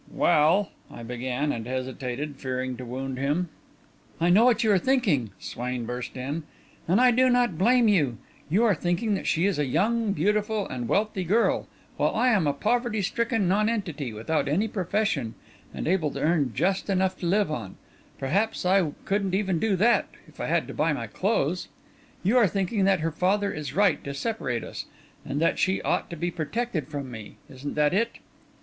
"Well," I began, and hesitated, fearing to wound him. "I know what you are thinking," Swain burst in, "and I do not blame you. You are thinking that she is a young, beautiful and wealthy girl, while I am a poverty stricken nonentity, without any profession, and able to earn just enough to live on perhaps I couldn't do even that, if I had to buy my clothes! You are thinking that her father is right to separate us, and that she ought to be protected from me. Isn't that it?"